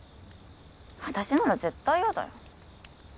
私なら絶対嫌だよ